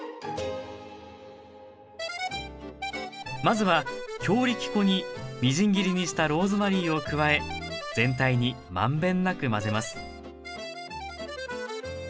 まずは強力粉にみじん切りにしたローズマリーを加え全体にまんべんなく混ぜます